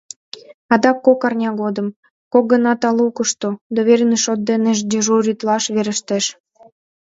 Адак кок арня годым, кок гана талукышто, доверенный шот дене дежуритлаш верештеш.